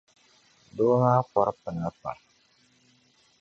Doo maa kɔri pina pam.